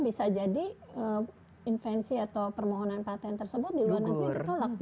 bisa jadi invensi atau permohonan patent tersebut di luar negeri ditolak